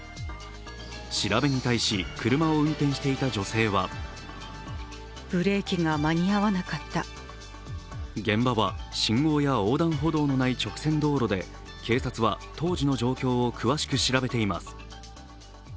調べに対し、車を運転していた女性は現場は信号や横断歩道のない直線道路で警察は当時の状況を詳しく調べています。